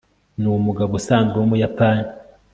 ni umugabo usanzwe wumuyapani